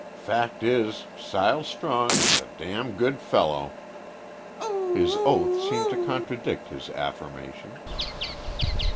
Fact is, Sile Strong is a good fellow." His oath seemed to contradict his affirmation.